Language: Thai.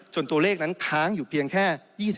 ตัวเลขนั้นค้างอยู่เพียงแค่๒๕